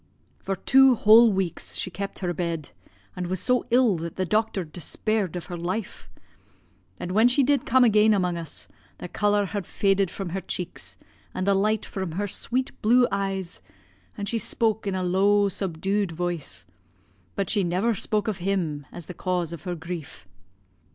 "For two whole weeks she kept her bed, and was so ill that the doctor despaired of her life; and when she did come again among us, the colour had faded from her cheeks, and the light from her sweet blue eyes, and she spoke in a low subdued voice, but she never spoke of him as the cause of her grief.